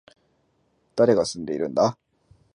誰が住んでいるんだ